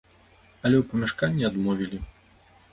Але ў памяшканні адмовілі.